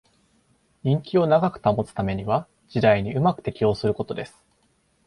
人気を長く保つためには時代にうまく適応することです